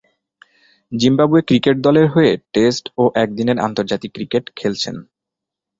Zimbabwe cricket দলের হয়ে test ও একদিনের আন্তর্জাতিক ক্রিকেট খেলছেন।